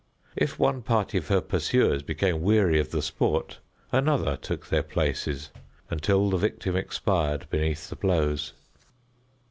If one party of her pursuers became weary of the sport, another took their places until the victim expired beneath the blows.